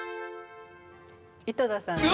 井戸田さんです。